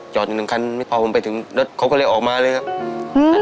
จอดอย่างหนึ่งคันพอผมไปถึงรถก็ก็เลยออกมาเลยครับ